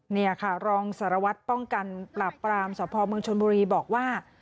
นี่ค่ะรองสารวัตรป้องกันปราบปรามสพเมืองชนบุรีบอกว่า